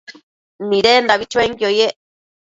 Nidendabi chuenquio yec